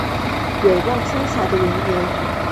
远望三峡的容颜